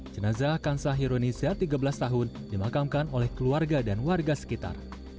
jenazah kansa hironisya tiga belas tahun dimakamkan oleh keluarga dan warga sekitar